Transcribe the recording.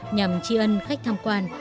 nhằm tri ân khách tham quan